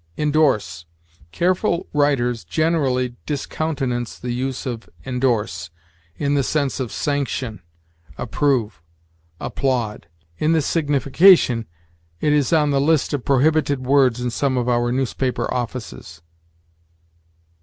INDORSE. Careful writers generally discountenance the use of indorse in the sense of sanction, approve, applaud. In this signification it is on the list of prohibited words in some of our newspaper offices.